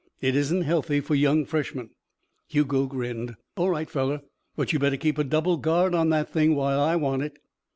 It isn't healthy for young freshmen." Hugo grinned. "All right, fella. But you better keep a double guard on that thing while I want it."